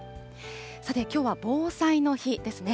さて、きょうは防災の日ですね。